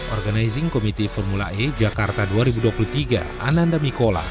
organizing komite formula e jakarta dua ribu dua puluh tiga ananda mikola